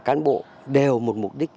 cán bộ đều một mục đích